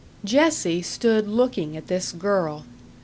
Jessie stood looking at this girl.